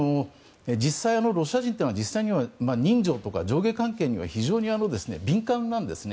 実際にロシア人は人情とか上下関係には非常に敏感なんですね。